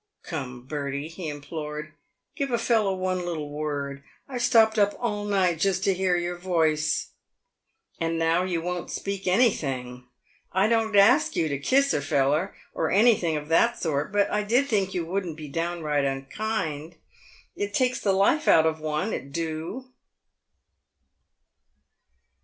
" Come, Bertie," he implored, " give a feller one little word. I've stopped up all night just to hear your voice, and now you won't speak anything. I don't ask you to kiss a feller, or anythink of that sort, but I did think you wouldn't be downright unkind. It takes the life out of one, it do."